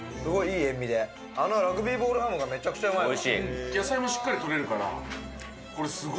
あのラグビーボールハムがめちゃくちゃうまい！